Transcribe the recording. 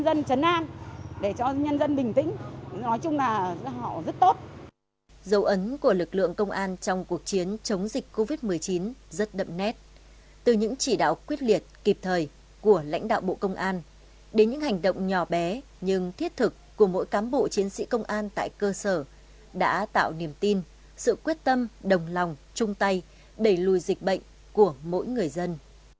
dấu ấn của lực lượng công an trong cuộc chiến chống dịch covid một mươi chín rất đậm nét từ những chỉ đạo quyết liệt kịp thời của lãnh đạo bộ công an đến những hành động nhỏ bé nhưng thiết thực của mỗi cám bộ chiến sĩ công an tại cơ sở đã tạo niềm tin sự quyết tâm đồng lòng chung tay đẩy lùi dịch bệnh của mỗi người dân